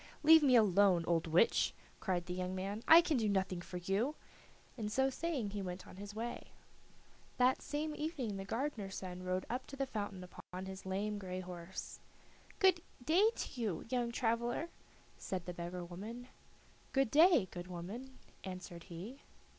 "Let me alone, old witch," cried the young man; "I can do nothing for you," and so saying he went on his way. That same evening the gardener's son rode up to the fountain upon his lame gray horse. "Good day to you, young traveler," said the beggar woman. "Good day, good woman," answered he.